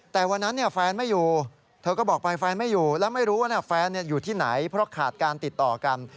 แต่วันนั้นแฟนไม่อยู่เธอก็บอกไปแฟนไม่อยู่แล้วไม่รู้ว่าแฟนอยู่ที่ไหนเพราะขาดการติดต่อกัน